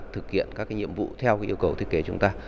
thực hiện các nhiệm vụ theo yêu cầu thiết kế chúng ta